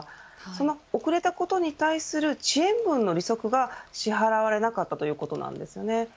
その遅れたことに対する遅延分の利息が支払われなかったということです。